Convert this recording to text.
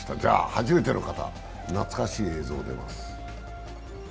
初めての方、懐かしい映像出ます。